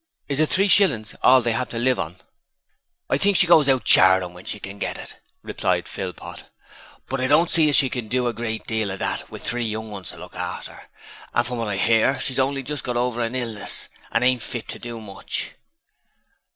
'Is the three shillings all they have to live on?' 'I think she goes out charin' when she can get it,' replied Philpot, 'but I don't see as she can do a great deal o' that with three young 'uns to look after, and from what I hear of it she's only just got over a illness and ain't fit to do much.'